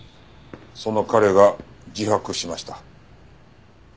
その彼が自白しました。